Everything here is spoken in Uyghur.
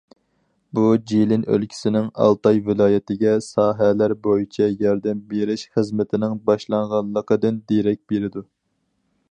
بۇ، جىلىن ئۆلكىسىنىڭ ئالتاي ۋىلايىتىگە ساھەلەر بويىچە ياردەم بېرىش خىزمىتىنىڭ باشلانغانلىقىدىن دېرەك بېرىدۇ.